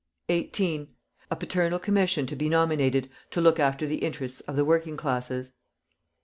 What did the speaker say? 18. A paternal commission to be nominated, to look after the interests of the working classes.